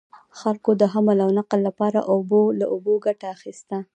خلکو د حمل او نقل لپاره له اوبو ګټه اخیسته.